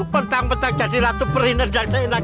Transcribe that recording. bentang bentang jadi ratu beri nendang nendang